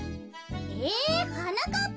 えはなかっぱ